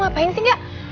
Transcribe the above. siapa yang ngambek